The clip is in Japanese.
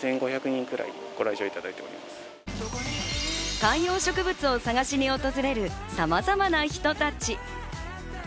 観葉植物を探しに訪れるさまざまな人たち。